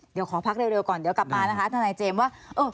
เดี๋ยวขอพักเร็วก่อนเดี๋ยวกลับมานะคะทนายเจมส์ว่า